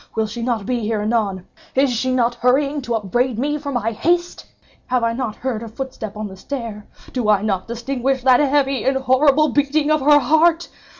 Will she not be here anon? Is she not hurrying to upbraid me for my haste? Have I not heard her footstep on the stair? Do I not distinguish that heavy and horrible beating of her heart?